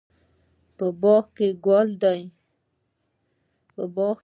په باغ کې ګل ده